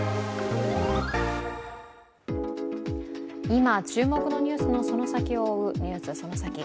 今、注目のニュースのその先を追う「ＮＥＷＳそのサキ！」。